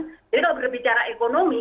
jadi kalau berbicara ekonomi